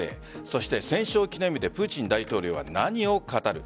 そして戦勝記念日でプーチン大統領は何を語る？